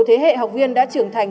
thế hệ học viên đã trưởng thành